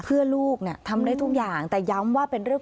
เพื่อลูกเนี่ยทำได้ทุกอย่างแต่ย้ำว่าเป็นเรื่อง